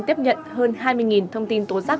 tiếp nhận hơn hai mươi thông tin tố giác